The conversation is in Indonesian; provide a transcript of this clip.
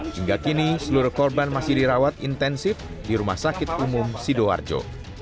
hingga kini seluruh korban masih dirawat intensif di rumah sakit umum sidoarjo